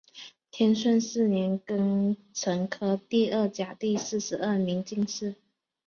天顺四年庚辰科第二甲第四十二名进士。